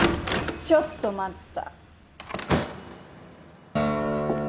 ・・ちょっと待った。